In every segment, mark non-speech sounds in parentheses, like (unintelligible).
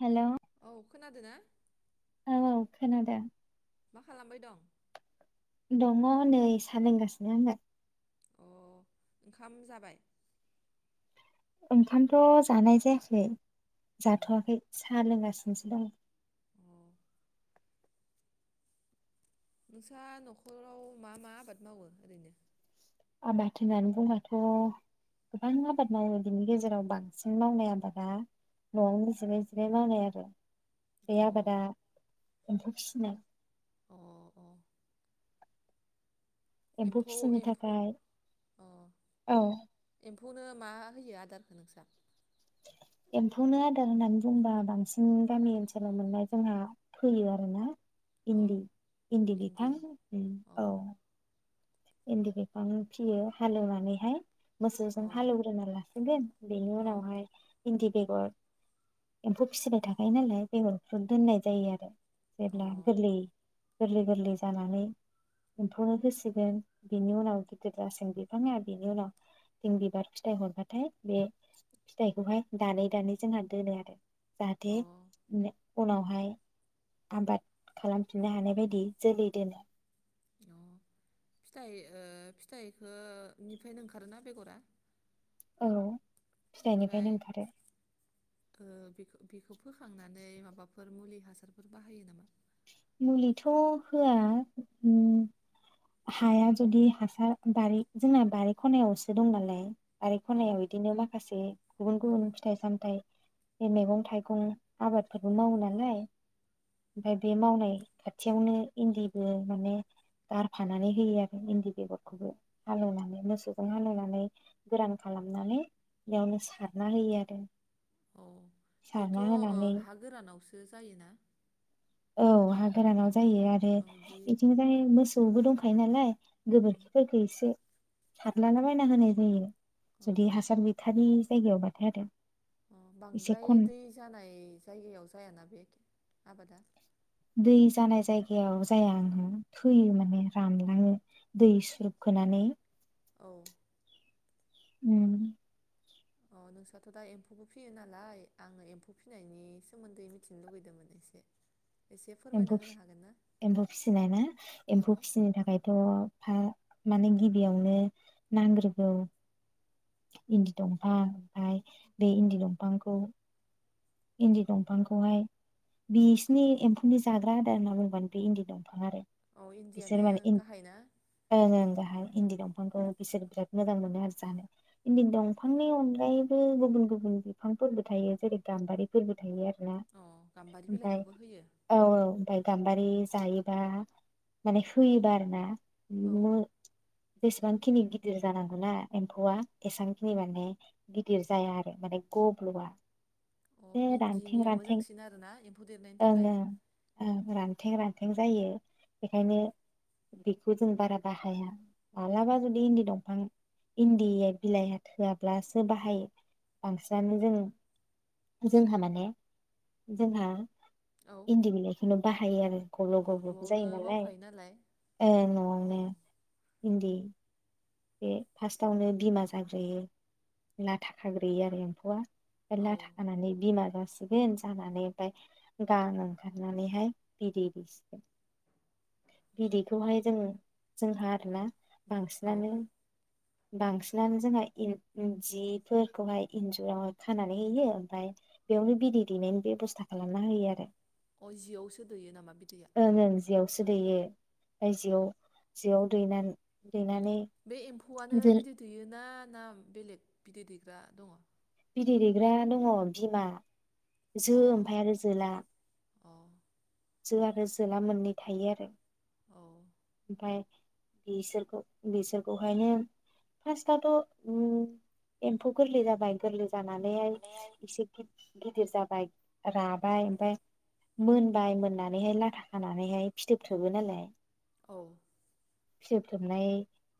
Hello औ खोनादो ना औ औ खोनादों मा खालामबाय दं दङ नै सानों लोंगासिनो आङो अ ओंखाम जाबाय ओंखामथ' जानाय जायाखै अ जाथ'वाखै साह लोंगा (unintelligible) अ नोंस्रा न'खराव मा मा आबाद मावो ओरैनो आबाद होननानै बुंबाथ' गोबां आबाद मावो बिनि गेजेराव बांसिन मावनाय आबादा न'आवनो जिराय जिराय मावनाय आरो। बे अ आबादा एम्फौ फिसिनाय। अ औ एम्फौ फिसिनो एम्फौ थाखाय अ औ एम्फौनो मा होयो आदारखौ नोंसा। एम्फौनो आदार होननानै बुंबा बांसिन गामि ओनसोलाव मोननाय जोंहा फैयो आरोना। अ इन्दि -इन्दि इन्दि बिफां अ औ इन्दि बिफां फिसियो हालेवनानैहाय। अ मोसौजों हालेवग्रो ला गोन बेनि औ अ उनावहाय इन्दि बेगर एम्फौ फिसिबाय थाखायो नालाय बेगरखौ दोननाय जायो आरो जेब्ला गोरलै गोरलै गोरलै जानानै एम्फौनो होसिगोन बिनि उनाव गिदिर जासागोन बिफाङा बिनि उनाव जों बिबार फिथाइ हरबाथाय बे फिथाइखौहाय दानै दानै जोंहा दोनो आरो जाहाथे अ उन उनावहाय आबाद खालामफिननो हानाय बायदि जोलै दोनो। अ फिथाइ ओ फिथाइखोनिफ्रायनो ओंखारोना बेगरा? औ। ओमफ्राय फिथाइनिफ्रायनो ओंखारो। ओ बेखो बेखौ फोखांनानै माबाफोर मुलि हासारफोर बाहायो नामा? मुलिथ' होआ उम हाया जुदि हासार बारि जोंना बारि खनायावसो दं नालाय। बारि औ खनायाव इदिनो माखासे गुबुन औ गुबुन फिथाइ सामथाइ बे मैगं थाइगं आबादफोरबो मावो नालाय ओमफाय बे मावनाय खाथियावनो इन्दिबो माने गारफानानै होयो आरो इन्दि बेगरखौबो हालेवनानै मोसौजों हालेवनानै गोरान खालामनानै बेयावनो सारना होयो आरो। औ बेथ' सारना ओ होनानै हा गोरानावसो जायोना? औ हा अ गोरानाव जायो आरो औ इदि इदिनो जाय मोसौबो दंखा योनालाय उम गोबोरखिफोरखो इसे सादलाना बायना होनाय जायो। औ जुदि हासार बिथ थानि जायगायावबाथाय आरो। अ एसे बांद्राय खम दै जानाय जायगायाव जायाना बे? आबादा। दै जानाय जायगायाव जाया थैयो माने रानलाङो दै सुरोबखोनानै। औ। उम। अ नोंसाथ' दा एम्फौबो फियो नालाय आङो एम्फौ फिनायनि सोमोन्दै मिथिनो लुुबैदोंमोन एसे। एसे फोरमायना एम्फौ होनो फि हागोन ना एम्फौ फिसिनाय ना औ एम्फौ फिसिनो थाखायथ' फा माने गिबियावनो नांग्रोगौ इन्दि दंफां ओमफाय बे इन्दि दंफांखौ इन्दि दंफांखौहाय बिसिनि एम्फौनि जाग्रा आदार होनना बुंबानो बे इन्दि दंफां आरो। औ बिसोर इन्दियानो माने इन गाहायना ओं ओं गाहाय। इन्दि दंफांखौ बिसोर बिराद मोजां मोनो आरो जानो इन्दि दंफांनि अनगायैबो गुबुन गुबुन बिफांफोरबो थायो जेरै गाम्बारि फोरबाय थायो आरो। ब्ला अ गाम्बारि ओमफाय बिलाइखौबो होयो औ औ ओमफाय गामबारि जायो बा माने होयोबा आरोना। औ मो जेसेबांखिनि गिदिर जानांगौ ना एम्फौआ एसेबांखिनि माने गिदिर जाया आरो माने गब्लआ। अ एसे रानथें इन्दिनिया रानथें मोजांसिन आरोना एम्फौ देरनायनि ओं थाखाय ओं औ रानथे। न्थें रान्थें जायो बेखायनो बेखौ जों बारा बाहाया माबालाबा जुदि इन्दि दंफां इन्दि बिलाइया थोआब्लासो बाहायो बांसिनानो जों। जोंहा माने जोंहा औ इन्दि बिलायखौनो बाहायो आरो। गब्ल' अ गब्ल'बो न'आवनो जायो नालाय मावखायो अ अ न'आवनो इन्दि बे फार्स्टआवनो बिमा जाग्रोयो लाथा खाग्रोयो आरो एम्फौआ औ लाथा खानानै बिमा जासिगोन जानानै ओमफ्राय गां ओंखारनानैहाय बिदै दैसिगोन बिदैखौहाय जों जोंहा आरोना औ बांसिनानो बांसिनानो जोंहा इन जिफोरखौहाय इन्जुरावहाय खानानै होयो ओमफ्राय बेयावनो बिदै दैनायनि बेब'स्था खालामना होयो आरो। अ जियावसो दैयो नामा बिदैया? ओं ओं जियावसो दैयो बायजोआव जिआव दैना -दैनानै बे एम्फौआनो जोल बिदै दैयोना? ना बेलेग बिदै दैग्रा दङ? बिदै दैग्रा दङ बिमा। जो ओमफ्राय आरो जोला। अ जो आरो जोला मोननै थायो आरो। औ (unintelligible) बिसोरखौ बिसोरखौहाय फार्सटआवथ' ओम एमफौ गोरलै जाबाय गोरलै जानानै इसे गिदिर जाबाय राबाय ओमफ्राय मोनबाय मोननानैहाय लाथा खानानैहाय फिथोब थोबो नालाय। औ फिथोबथोबनाय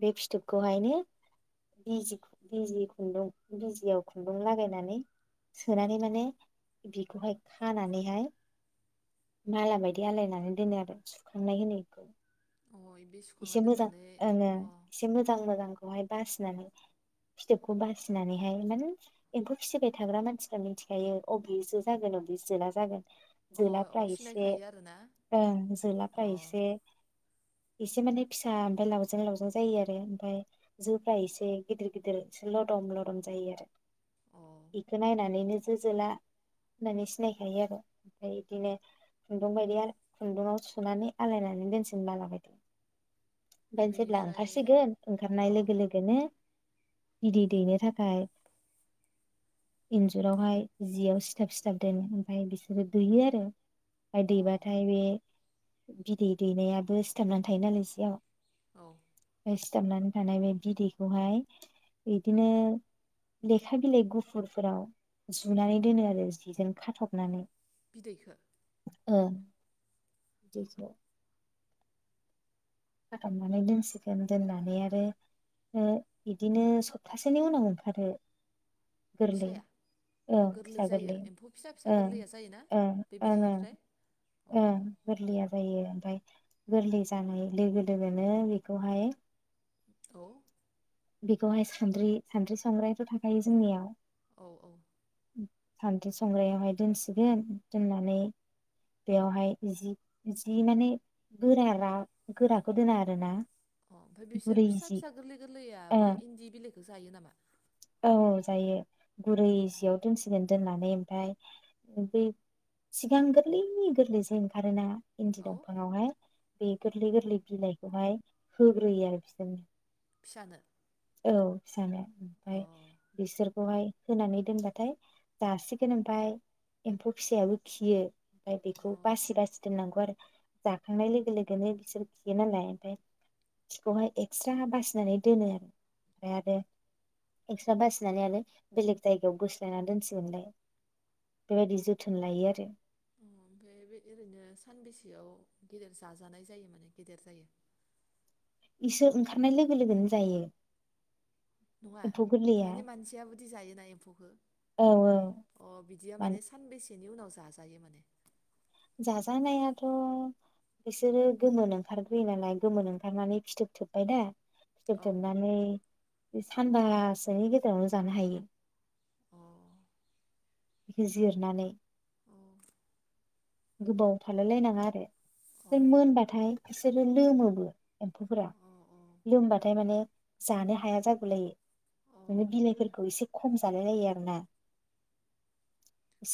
बे फिथोबखौहायनो बिजि -बिजि खुन्दुं बिजियाव खुन्दुं लागायनानै सोनानै माने बिखौहाय खानानैहाय माला बायदि आलायनानै दोनो आरो सुखांनाय होनो बेखौ। औ अ बे सुखांना एसे मोजां दोननानै ओङो अ एसे मोजां मोजांखौहाय बासिनानै फिथोबखौ बासिनानैहाय माने एम्फौ फिसिबाय थाग्रा मानसिफ्रा मिथिखायो अबे जो जागोन अबे जोला जागोन। अ अ जोलाफ्रा एसे सिनायखायो आरोना ओं अ जोलाफ्रा एसे एसे माने फिसा ओमफाय लावजें लावजें जायो आरो ओमफाय जोफ्रा एसे गिदिर गिदिर एसे लदम लदम जायो आरो। अ बेखौ नायनानैनो जो जोला होननानै सिनायखायो आरो ओमफ्राय बिदिनो खुन्दुं बायदि आरो खुन्दुंआव सुनानै आलायनानै दोनसै। (unintelligible) (unintelligible) ओमफ्राय जेब्ला बेनिफ्राय ओंखारसिगोन ओंखारनाय औ लोगो लोगोनो बिदै दैनो थाखाय इन्जुरावहाय जियाव सिथाब सिथाब दोनो ओमफाय बिसोरो दैयो आरो ओमफ्राय अ दैबाथाय बे बिदै दैनाया (unintelligible) सिथाबनानै थायो नालाय (unintelligible) औ ओमफ्राय सिथाबनानै थानाय बे बिदैखौहाय बिदिनो लेखा बिलाइ गुफुरफोराव जुनानै दोनो आरो जिजों खाथबनानै। बिदैखौ ओ (unintelligible) (unintelligible) दोननानै आरो ओ बिदिनो सप्तासेनि उनाव ओंखारो। गोरलै फिसाया औ अ फिसा जायो गोरलै एम्फौ फिसा फिसा ओ गोरलैया जायोना ओ बे ओ ओ बिदैनिफ्राय अ ओ गोरलैया जायो ओमफाय गोरलै जानाय लोगो लोगोनो बेखौहाय औ बेखौहाय सानद्रि सानद्रि संग्रायाथ' थाखायो जोंनियाव औ औ सान्द्रि संग्रायावहाय दोनसिगोन दोननानै बेयावहाय जि जि माने गोरारा गोराखौ दोना आरोना अ ओमफाय गुरै बिसोर फिसा जि फिसा गोरलै गोरलै औ औ जायो गुरै जियाव दोनसिगोन दोननानै ओमफ्राय बे सिगां गोरलैनि गोरलै जे ओंखारोना (unintelligible) अ औ दंफाङावहाय बे गोरलै गोरलै बिलाइखौहाय होग्रोयो आरो बिसोरनो फिसानो औ फिसानो अ ओमफाय बिसोर (unintelligible) होनानै दोनबाथाय जासिगोन ओमफाय एम्फौ फिसायाबो खियो ओमफ्राय अ बेखौ बासि बासि दोननांगौ आरो जाखांनाय लोगो लोगोनो बिसोर खियो नालाय ओमफ्राय खिखौहाय एक्सट्रा बासिनानै दोनो आरो ओमफाय आरो एक्सट्रा बासिनानै आरो बेलेग जायगायाव गोोस्लायना दोनसैगोनलाय बेबायदि जोथोन लायो आरो (unintelligible) ओरैनो सानबेसेयाव गेदेर जाजानाय जायो माने गेदेर जायो इसोर ओंखारनाय लोगो लोगोनो जायो नङा एम्फौ गोरलैया माने मानसियाबोदि जायोना एम्फौखौ औ अ बिदिया मानो माने सानबेसे (unintelligible) (unintelligible) उनाव जाजायो माने जाजानायाथ' बिसोरो गोमोन ओंखारग्रोयो नालाय गोमोन ओंखारनानै फिथोब थोबबाय दा औ (unintelligible) बे सानबासोनि गेजेरावनो जानो हायो अ (unintelligible) जिरनानै औ गोबाव थालाय लायनाङा आरो मोनबाथाय बिसोरो लोमोबो एम्फौफोरा अ अ लोमबाथाय माने जानो हाया जागौलायो अ नोङो बिलाइफोरखौ एसे खम जालाय लायो आरोना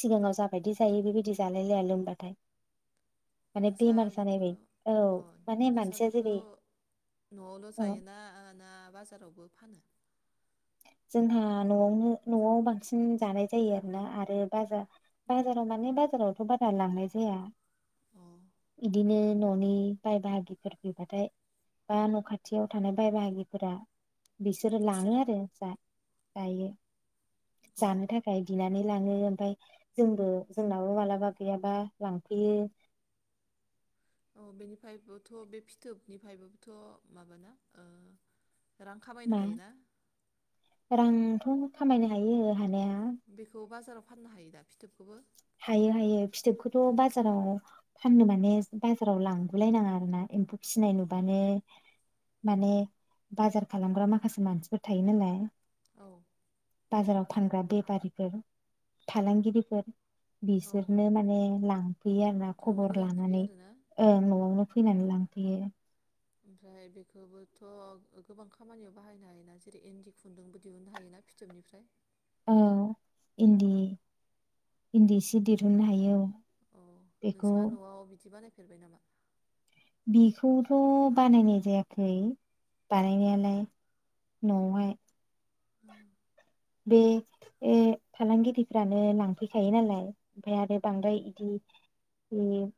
सिगाङाव जाबायदि जायो बेबायदि जालाय लाया लोमबाथाय (unintelligible) माने नोंसा बेमार जानाय बेखो बाय औ अ माने नोंसा मानसिया बेखो जेरै न'आवल' औ जायोना ना बाजारावबो फानो? जोंहा न'आवनो न'आव बांसिन जानाय जायो आरोना आरो बाजार बाजाराव माने बाजारावथ' बारा लांनाय जाया। अ इदिनो न'नि बाय बाहागिफोर फैबाथाय बा न' खाथियाव थानाय बाय बाहागिफोरा बिसोरो लाङो आरो जा जायो अ जानो थाखाय बिनानै लाङो। ओमफाय जोंबो जोंनाबो माबालाबा गैयाबा लांफैयो। औ बेनिफायबोथ' बे फिथोबनिफ्रायबोथ' माबाना ओ रां खामायनो मा हायोना रांथ' खामायनो हायो हानाया बेखौ बाजाराव फाननो हायो दा? फिथोबखौबो हायो हायो फिथोबखो थ' बाजाराव फाननो माने बाजाराव लांगुलायनाङा आरोना एम्फौ फिनाय नुबानो माने बाजार खालामग्रा माखासे मानसिफोर थायो नालाय औ बाजाराव फानग्रा बे फारि‌ फोर फालांगिरि औ बिसोरनो माने लां फैयो आरो ना न'आवनो खबर लांफैयो लानानै आरोना ओं न'आवनो अ फैनानै लांफैयो। ओमफ्राय बेखोबोथ' गोबां खामानियाव बाहायनो हायोना जेरै इन्दि खुन्दुंबो दिहुननो हायोना फिथोबनिफ्राय? औ इन्दि अ इन्दि सि दिरहुननो हायो औ औ बेखौ नोंसा न'आव बिदि बानाय फेरबाय नामा? बेखौथ' बानायनाय जायाखै बानायनायालाय न'वावहाय। औ बे बे फालांगिरिफ्रानो लांफैखायो नालाय ओमफाय आरो बांद्राय इदि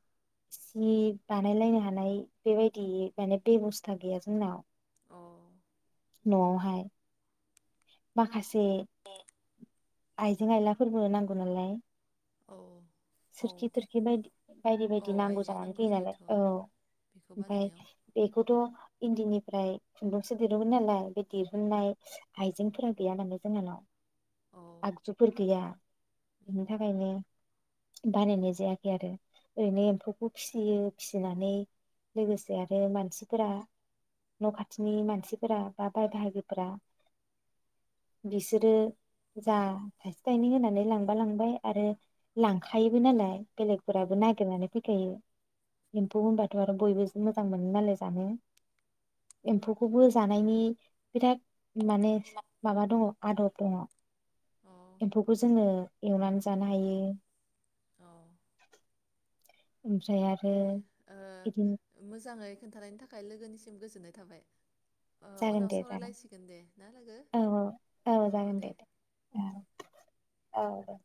सि बानायलायनो हानाय बेबायदि माने बेब'स्था गैया जोंनाव। अ न'वावहाय माखासे आइजें आइलाफोरबो नांगौ नालाय औ औ सोरखि थोरखि बायदि बायदि औ बायदि नांगौ आइजें जानानै फैयो नालाय जायोथ' औ र' बेखौ ओमफाय बानायनायाव बेखौथ' इन्दिनि ओमफ्राय खुन्दुंसो दिरहुनगोन नालाय बे दिरहुननाय आइजेंफोरा गैया माने जोंहानाव। औ आगजुफोर गैया बिनि उम थाखायनो बानायनाय जायाखै आरो ओरैनो एम्फौखौ फिसियो फिसिनानै लोगोसे आरो मानसिफोरा न' खाथिनि मानसिफोरा बा बाय बाहागोफोरा बिसोरो जा थाइसे थाइनै होनानै लांबा लांबाय आरो लांखायोबो नालाय औ बेलेगफोराबो नागिरनानै फैखायो। एम्फौ होनबाथ' आरो बयबो मोजां मोनो नालाय जानो एम्फौखौबो जानायनि बिराद माने माबा दङ आदथ दङ' अ एम्फौखौ जोङो एवनानै जानो हायो औ ओमफ्राय आरो दे बिदिनो ओ मोजाङै खोन्थानायनि था थाखाय लोगोनिसिम गोजोननाय थाबाय ओ जागोन उनाव दे जागोन सावरायलायसिगोन दे ना लोगो औ दे औ दे